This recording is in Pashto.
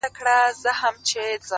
د زړه پاکوالی باور زېږوي